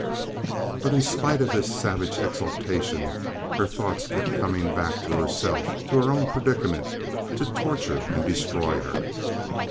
But in spite of this savage exultation her thoughts kept coming back to herself, to her own predicament, to torture and destroy her.